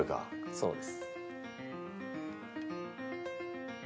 そうです。